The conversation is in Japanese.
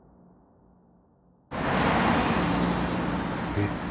えっ？